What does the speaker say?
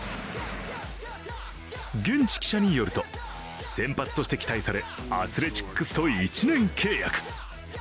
現地記者によると、先発として期待されアスレチックスと１年契約。